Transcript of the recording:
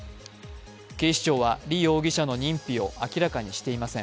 警視庁は李容疑者の認否を明らかにしていません。